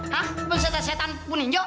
hah setan pun ninjok